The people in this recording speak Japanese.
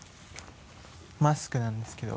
マスクなんですけど。